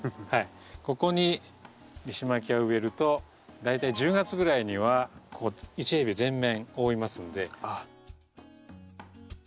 ここにリシマキアを植えると大体１０月ぐらいにはここ１平米全面覆いますんでね。